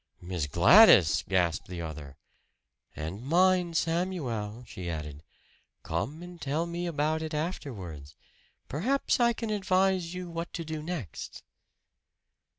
"Miss Gladys!" gasped the other. "And mind, Samuel!" she added. "Come and tell me about it afterwards. Perhaps I can advise you what to do next."